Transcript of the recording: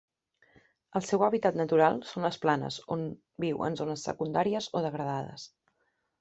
El seu hàbitat natural són les planes, on viu en zones secundàries o degradades.